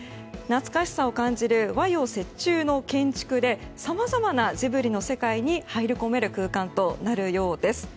懐かしさを感じる和洋折衷の建築でさまざまなジブリの世界に入り込める空間となるようです。